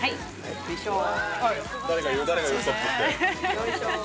◆よいしょー。